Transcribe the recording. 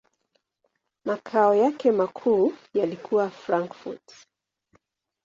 Makao yake makuu yalikuwa Frankfurt.